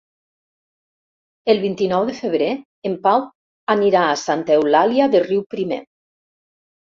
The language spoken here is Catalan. El vint-i-nou de febrer en Pau anirà a Santa Eulàlia de Riuprimer.